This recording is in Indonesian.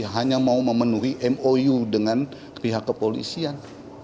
hanya mau memenuhi mou dengan pihak kepolisian